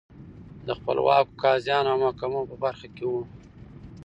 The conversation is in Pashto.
د خپلواکو قاضیانو او محاکمو په برخه کې وو